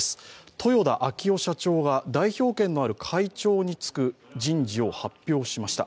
豊田章男社長が代表権のある会長につく人事を発表しました。